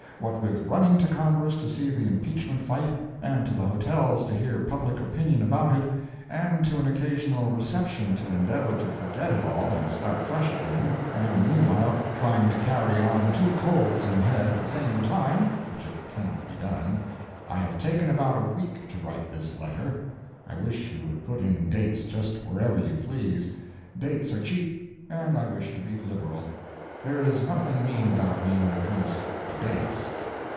What with running to Congress to see the impeachment fight, and to the hotels to hear public opinion about it, and to an occasional reception to endeavor to forget it all and start fresh again, and meanwhile, trying to carry on two colds in the head at the same time (which it cannot be done), I have taken about a week to write this letter. I wish you would put in dates just wherever you please. Dates are cheap, and I wish to be liberal. There is nothing mean about me when it comes to dates.